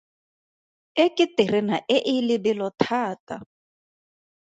E ke terena e e lebelo thata.